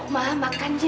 ma makan yuk